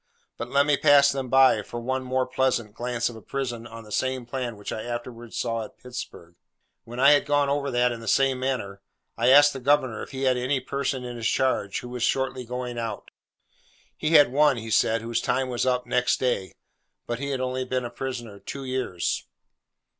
But let me pass them by, for one, more pleasant, glance of a prison on the same plan which I afterwards saw at Pittsburg. When I had gone over that, in the same manner, I asked the governor if he had any person in his charge who was shortly going out. He had one, he said, whose time was up next day; but he had only been a prisoner two years.